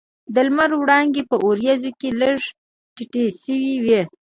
د لمر وړانګې په وریځو کې لږ تتې شوې وې.